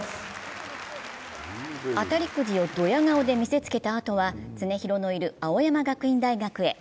当たりくじをどや顔で見せつけたあとは常廣のいる青山学院大学へ。